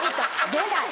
出ない？